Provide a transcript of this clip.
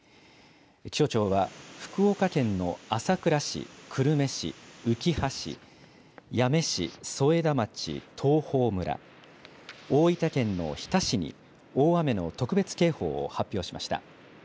気象庁は福岡県の朝倉市、久留米市、うきは市、八女市、添田町、東峰村、大分県の日田市に大雨の特別警報を発表しました。